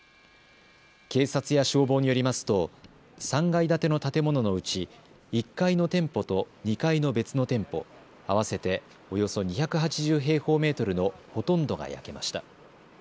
警察や消防によりますと３階建ての建物のうち１階の店舗と２階の別の店舗、合わせておよそ２８０平方メートルのほとんどが焼けました。